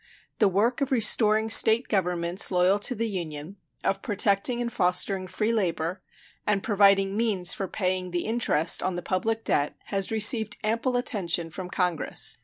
The work of restoring State governments loyal to the Union, of protecting and fostering free labor, and providing means for paying the interest on the public debt has received ample attention from Congress.